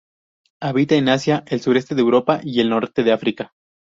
Habita en Asia, el sureste de Europa y el norte de África.